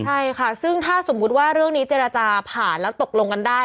ใช่ค่ะซึ่งถ้าสมมุติว่าเรื่องนี้เจรจาผ่านแล้วตกลงกันได้